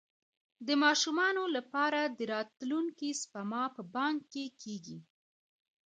د ماشومانو لپاره د راتلونکي سپما په بانک کې کیږي.